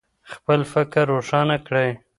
خپل فکر روښانه کړئ.